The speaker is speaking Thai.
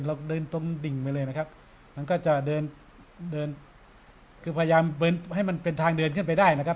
เราเดินตรงดิ่งไปเลยนะครับมันก็จะเดินเดินคือพยายามเดินให้มันเป็นทางเดินขึ้นไปได้นะครับ